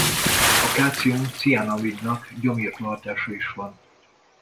A kalcium-ciánamidnak gyomirtó hatása is van.